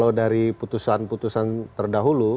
kalau dari putusan putusan terdahulu